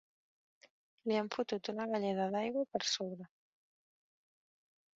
Li han fotut una galleda d'aigua per sobre.